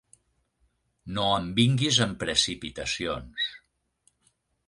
No em vinguis amb precipitacions.